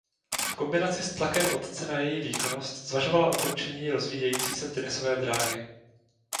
V kombinaci s tlakem otce na její výkonnost zvažovala ukončení rozvíjející se tenisové dráhy.